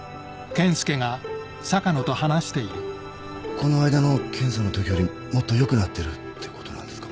この間の検査のときよりもっとよくなってるってことなんですか？